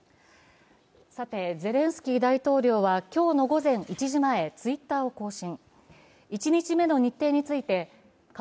さて、ゼレンスキー大統領は今日の午前１時前、Ｔｗｉｔｔｅｒを更新。